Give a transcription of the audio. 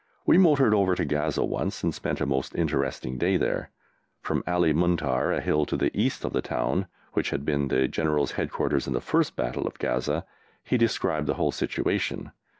We motored over to Gaza once and spent a most interesting day there. From Ali Muntar, a hill to the east of the town, which had been the General's headquarters in the first battle of Gaza, he described the whole situation.